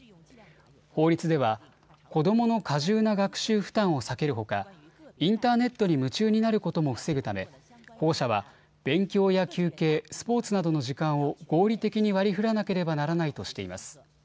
法律では子どもの過重な学習負担を避けるほかインターネットに夢中になることも防ぐため保護者は、勉強や休憩スポーツなどの時間を合理的に割り振らなければならないとしています。